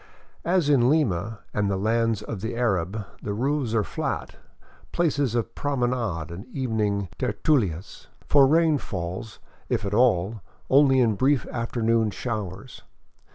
As in Lima and the lands of the Arab, the roofs are flat, places of promenade and evening tertiilias; for rain falls, if at all, only in brief afternoon showers.